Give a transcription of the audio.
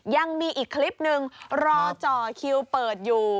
ยังมีอีกคลิปนึงรอจ่อคิวเปิดอยู่